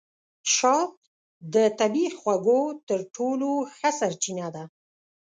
شات د طبیعي خوږو تر ټولو ښه سرچینه ده.